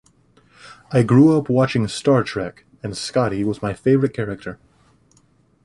"I grew up watching "Star Trek" and Scotty was my favourite character.